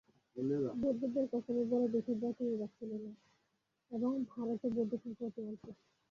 বৌদ্ধদের কখনই বড় বিশেষ জাতিবিভাগ ছিল না, এবং ভারতে বৌদ্ধসংখ্যা অতি অল্প।